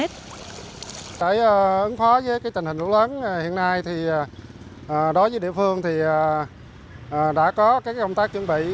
trong tình hình lũ lớn hiện nay đối với địa phương đã có công tác chuẩn bị